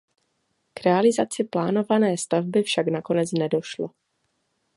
K realizaci plánované stavby však nakonec nedošlo.